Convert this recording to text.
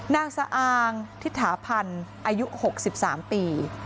นางศะอางทฤษภัณฑ์อายุ๖ปี๑๓ปี